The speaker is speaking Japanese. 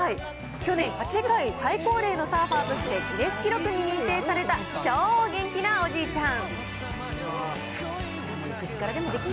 去年世界最高齢のサーファーとしてギネス記録に認定された超元気なおじいちゃん。